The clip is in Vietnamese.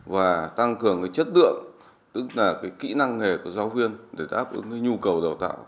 và tăng cường chất lượng tức là kỹ năng nghề của giáo viên để đáp ứng cái nhu cầu đào tạo